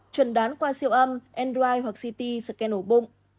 chuẩn đoán qua siêu âm android hoặc ct scan ổ bụng